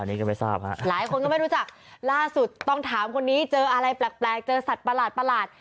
อันนี้ก็ไม่ทราบฮะหลายคนก็ไม่รู้จักล่าสุดต้องถามคนนี้เจออะไรแปลกเจอสัตว์ประหลาด